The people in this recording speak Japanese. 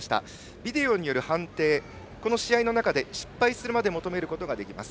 ビデオによる判定はこの試合の中で失敗するまで求めることができます。